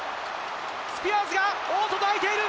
スピアーズが、おっと、抱いている。